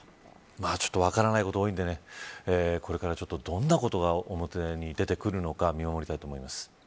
ちょっと分からないことが多いのでこれからちょっとどんなことが表に出てくるのか見守りたいと思います。